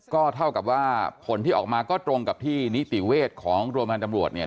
ก็เท่ากับว่าผลที่ออกมาก็ตรงกับที่นิติเวชของโรงพยาบาลตำรวจเนี่ย